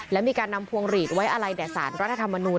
และมีการนำพวงหลีดไว้อะไรแด่สารรัฐธรรมนูล